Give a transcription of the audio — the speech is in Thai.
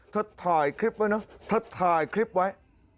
ถ่ายคลิปไว้นะถ่ายคลิปไว้